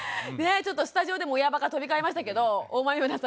ちょっとスタジオでも親バカ飛び交いましたけど大豆生田さん